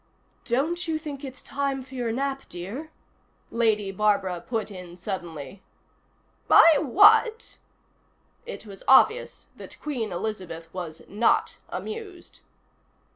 "Don't you think it's time for your nap, dear?" Lady Barbara put in suddenly. "My what?" It was obvious that Queen Elizabeth was Not Amused.